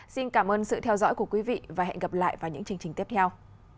xin cảm ơn sự theo dõi của quý vị và hẹn gặp lại vào những chương trình tiếp theo